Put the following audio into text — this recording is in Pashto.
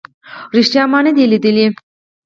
ریښتیا ما نه دی لیدلی